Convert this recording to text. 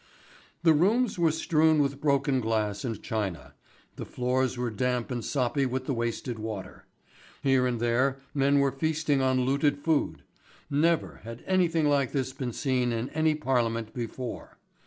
The rooms were strewn with broken glass and china, the floors were damp and soppy with the wasted water. Here and there men were feasting on looted food. Never had anything like this been seen in any parliament before.